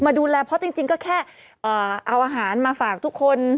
ดูแลเพราะจริงก็แค่เอาอาหารมาฝากทุกคน